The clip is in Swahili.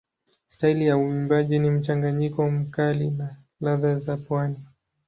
Staili ya uimbaji ni mchanganyiko mkali na ladha za pwani.